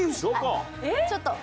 「ちょっと」